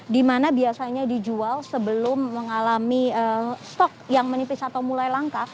di mana biasanya dijual sebelum mengalami stok yang menipis atau mulai langka